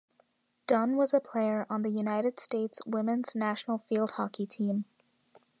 Dunn was a player on the United States women's national field hockey team.